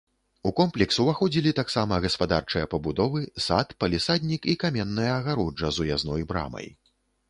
У комплекс уваходзілі таксама гаспадарчыя пабудовы, сад, палісаднік і каменная агароджа з уязной брамай.